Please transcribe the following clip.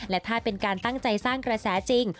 และถ้าเป็นการตั้งใจสร้างกระแสจริง